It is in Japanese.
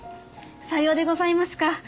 さようでございますか。